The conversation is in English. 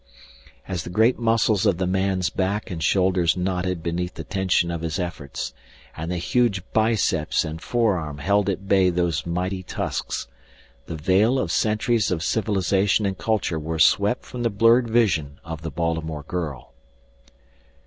As the great muscles of the man's back and shoulders knotted beneath the tension of his efforts, and the huge biceps and forearm held at bay those mighty tusks, the veil of centuries of civilization and culture was swept from the blurred vision of the Baltimore girl.